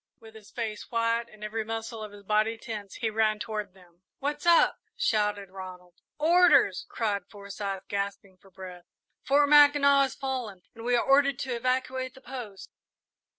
With his face white and every muscle of his body tense, he ran toward them. "What's up?" shouted Ronald. "Orders!" cried Forsyth, gasping for breath. "Fort Mackinac has fallen and we are ordered to evacuate the post!"